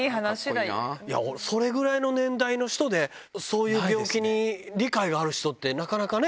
それぐらいの年代の人で、そういう病気に理解がある人って、なかなかね。